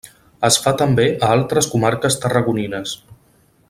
Es fa també a altres comarques tarragonines.